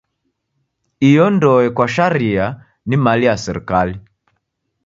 Iyo ndoe kwa sharia ni mali ya serikali.